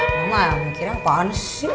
mama mau kirain apaan sih